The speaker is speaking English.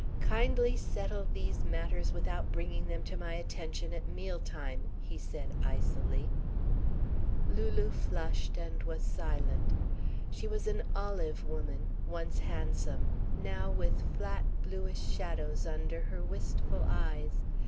"Kindly settle these matters without bringing them to my attention at meal time," he said icily. Lulu flushed and was silent. She was an olive woman, once handsome, now with flat, bluish shadows under her wistful eyes.